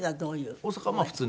大阪は普通に。